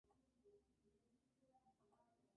Shim es la hija menor en su familia.